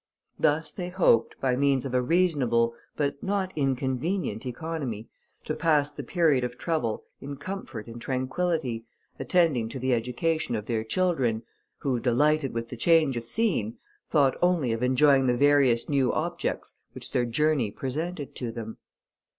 Thus they hoped, by means of a reasonable, but not inconvenient economy, to pass the period of trouble in comfort and tranquillity, attending to the education of their children, who, delighted with the change of scene, thought only of enjoying the various new objects which their journey presented to them.